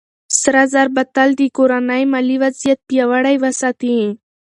سره زر به تل د دې کورنۍ مالي وضعيت پياوړی وساتي.